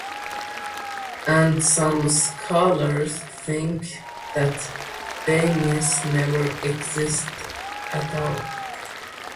And some scholars think that Damis never existed at all.